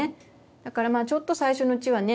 だからちょっと最初のうちはね